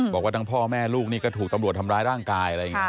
บอกว่าทั้งพ่อแม่ลูกนี่ก็ถูกตำรวจทำร้ายร่างกายอะไรอย่างนี้